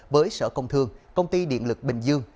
với sở công thương công ty điện lực bình dương